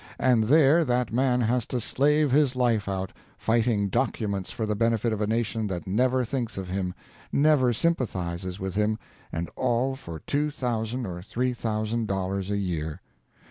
And there that man has to slave his life out, fighting documents for the benefit of a nation that never thinks of him, never sympathizes with him and all for two thousand or three thousand dollars a year.